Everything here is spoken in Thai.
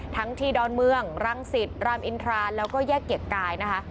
ที่ดอนเมืองรังสิตรามอินทราแล้วก็แยกเกียรติกายนะคะ